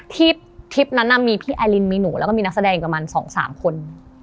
ทลิปนั้นมีพี่อายลินมีหนูแล้วก็มีนักแสดง๒๓คน